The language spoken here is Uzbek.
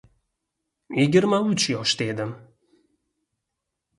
Yigirma uch yoshda edim.